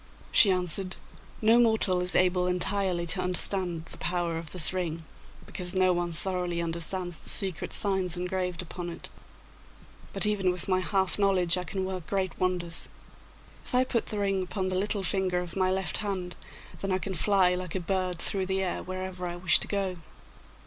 She answered, 'No mortal is able entirely to understand the power of this ring, because no one thoroughly understands the secret signs engraved upon it. But even with my half knowledge I can work great wonders. If I put the ring upon the little finger of my left hand, then I can fly like a bird through the air wherever I wish to go.